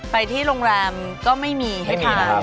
ไปที่โรงแรมก็ไม่มีให้ทาน